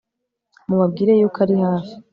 mubabwire yuko ari hafi